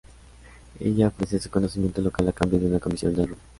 Ella ofrece su conocimiento local a cambio de una comisión del robo.